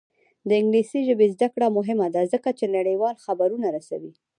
د انګلیسي ژبې زده کړه مهمه ده ځکه چې نړیوال خبرونه رسوي.